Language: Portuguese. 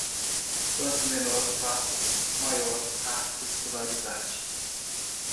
Quanto menor o pássaro, maior a escolaridade.